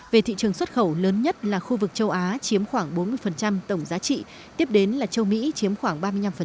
về thị trường xuất khẩu lớn nhất là khu vực châu á chiếm khoảng bốn mươi tổng giá trị tiếp đến là châu mỹ chiếm khoảng ba mươi năm